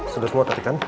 sudah semua tadi kan